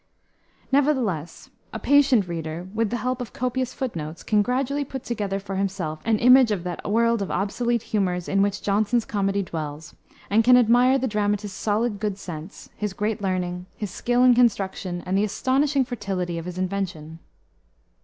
Nevertheless, a patient reader, with the help of copious foot notes, can gradually put together for himself an image of that world of obsolete humors in which Jonson's comedy dwells, and can admire the dramatist's solid good sense, his great learning, his skill in construction, and the astonishing fertility of his invention.